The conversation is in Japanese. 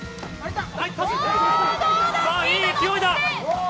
いい勢いだ。